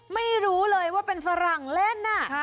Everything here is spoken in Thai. ไม่รู้เลยว่าเป็นฝรั่งเล่น